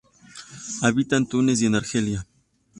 Habita en Túnez y en Argelia.